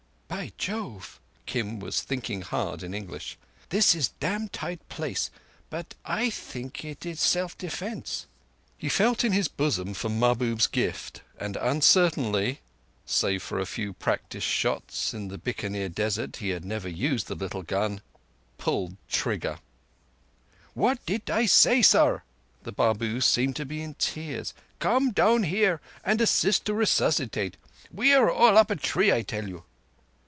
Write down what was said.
"By Jove!" Kim was thinking hard in English. "This is dam' tight place, but I think it is self defence." He felt in his bosom for Mahbub's gift, and uncertainly—save for a few practice shots in the Bikanir desert, he had never used the little gun—pulled the trigger. "What did I say, sar!" The Babu seemed to be in tears. "Come down here and assist to resuscitate. We are all up a tree, I tell you."